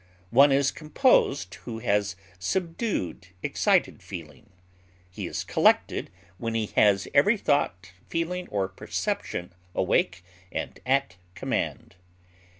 One is composed who has subdued excited feeling; he is collected when he has every thought, feeling, or perception awake and at command.